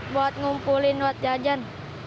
buat ngumpulin buat jajan